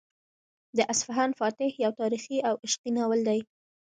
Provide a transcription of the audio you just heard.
د اصفهان فاتح یو تاریخي او عشقي ناول دی.